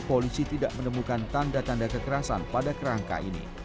polisi tidak menemukan tanda tanda kekerasan pada kerangka ini